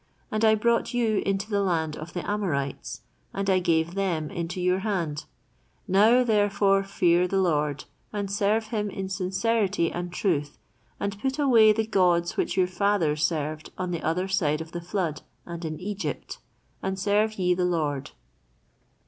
And I brought you into the land of the Amorites ✴✴ and I gave them into your hand; ✴✴ now, therefore, fear the Lord ✴✴ and serve him in sincerity and truth and put away the gods which your fathers served on the other side of the flood and in Egypt, and serve ye the Lord."